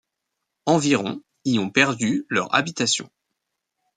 Environ y ont perdu leur habitation.